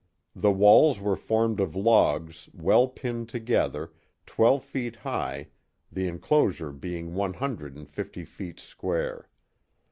The walls were formed of logs, well pinned together, twelve feet high, the enclosure being one hundred and fifty feet square.